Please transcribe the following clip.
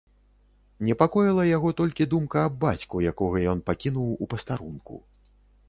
Непакоіла яго толькі думка аб бацьку, якога ён пакінуў у пастарунку.